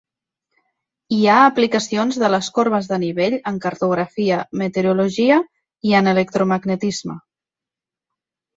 Hi ha aplicacions de les corbes de nivell en cartografia, meteorologia, i en electromagnetisme.